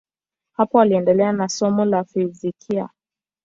Hapo aliendelea na somo la fizikia.